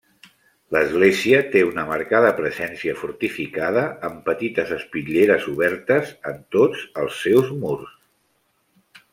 L'església té una marcada presència fortificada, amb petites espitlleres obertes en tots els seus murs.